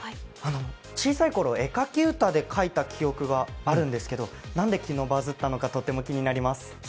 小さいころ、絵描き歌で描いた記憶があるんですけどなんで昨日バズったのかとても気になります。